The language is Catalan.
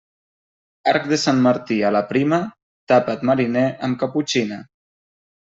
Arc de Sant Martí a la prima, tapa't, mariner, amb caputxina.